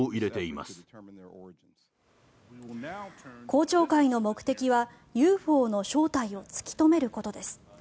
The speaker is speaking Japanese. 公聴会の目的はＵＦＯの正体を突き止めることです。